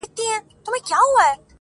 دغه تیارې غواړي د سپینو څراغونو کیسې,